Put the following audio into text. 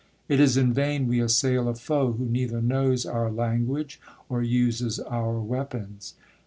It is in vain we assail a foe who neither knows our language or uses our weapons.